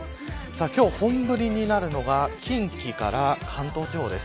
今日本降りになるのが近畿から関東地方です。